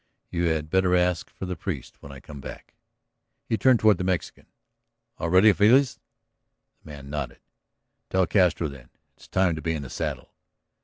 You had better ask for the priest when I come back." He turned toward the Mexican. "All ready, Feliz?" The man nodded. "Tell Castro, then. It's time to be in the saddle."